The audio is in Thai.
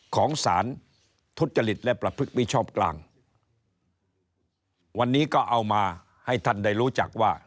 ของสารทุจริตและประพฤติมิชชอบกลางวันนี้ก็เอามาให้ท่านได้รู้จักว่า